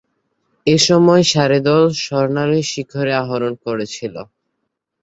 এ সময়ে সারে দল স্বর্ণালী শিখরে আরোহণ করেছিল।